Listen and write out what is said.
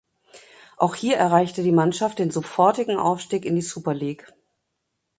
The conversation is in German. Auch hier erreichte die Mannschaft den sofortigen Aufstieg in die Super League.